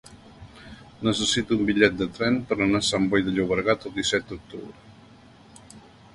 Necessito un bitllet de tren per anar a Sant Boi de Llobregat el disset d'octubre.